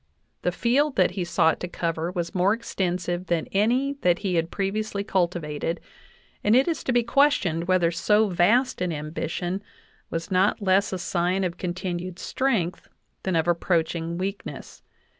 The field that he sought to cover was more extensive than any that he had previously cultivated, and it is to be questioned whether so vast an ambition was not less a sign of continued strength than of approaching weakness.